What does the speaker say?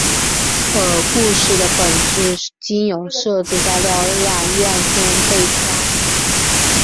而故事的本质经由设置在疗养院中被加强。